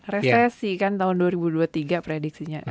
resesi kan tahun dua ribu dua puluh tiga prediksinya